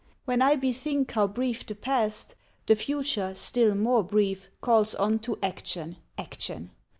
When I bethink How brief the past, the future still more brief, Calls on to action, action!